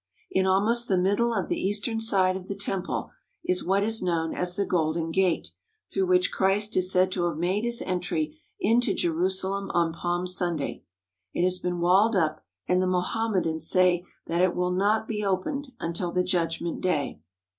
In almost the middle of the eastern side of the temple is what is known as the Golden Gate, through which Christ is said to have made his entry into Jerusalem on Palm Sunday. It has been walled up and the Mohamme dans say that it will not be opened until the Judgment Day.